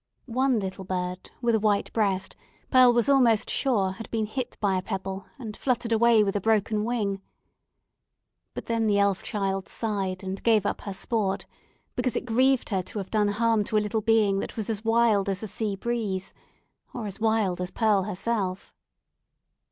One little gray bird, with a white breast, Pearl was almost sure had been hit by a pebble, and fluttered away with a broken wing. But then the elf child sighed, and gave up her sport, because it grieved her to have done harm to a little being that was as wild as the sea breeze, or as wild as Pearl herself.